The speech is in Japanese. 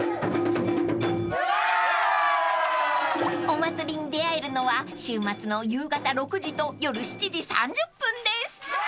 ［お祭りに出合えるのは週末の夕方６時と夜７時３０分です］